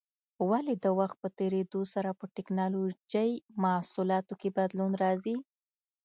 ولې د وخت په تېرېدو سره په ټېکنالوجۍ محصولاتو کې بدلون راځي؟